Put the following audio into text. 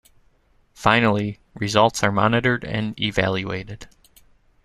Finally, results are monitored and evaluated.